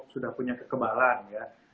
sudah punya kekebalan ya